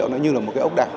nó như là một cái ốc đạc